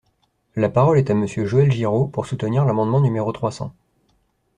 La parole est à Monsieur Joël Giraud, pour soutenir l’amendement numéro trois cents.